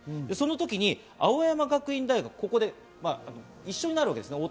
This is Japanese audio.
そのときに青山学院大学、ここで一緒になるわけです。